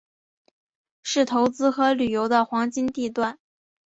是投资和旅游的黄金地段。